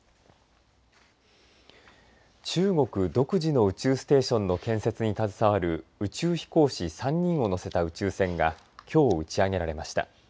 中国独自の宇宙ステーションの建設に携わる宇宙飛行士３人を乗せた宇宙船がきょう打ち上げられました。